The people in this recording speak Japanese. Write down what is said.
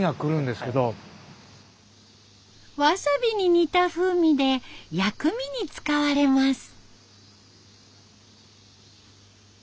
ワサビに似た風味で薬味に使われます。